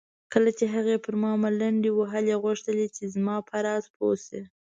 کله چې هغې پر ما ملنډې وهلې غوښتل یې زما په راز پوه شي.